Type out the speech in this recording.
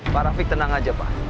pak rafiq tenang aja pak